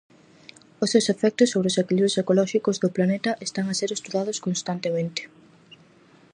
Os seus efectos sobre os equilibrios ecolóxicos do planeta están a ser estudados constantemente.